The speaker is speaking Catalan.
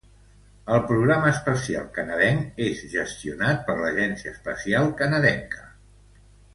El Programa Espacial Canadenc és gestionat per l'Agència Espacial Canadenca.